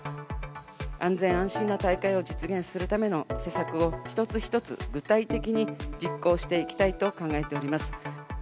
安全安心な大会を実現するための施策を一つ一つ、具体的に実行していきたいと考えております。